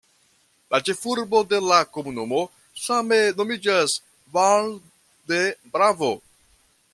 La ĉefurbo de la komunumo same nomiĝas "Valle de Bravo".